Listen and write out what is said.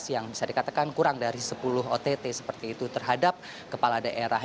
yang bisa dikatakan kurang dari sepuluh ott seperti itu terhadap kepala daerah